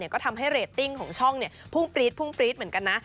ก็ทำให้เรตติ้งของช่องพุ่งปรี๊ดเหมือนกันนะ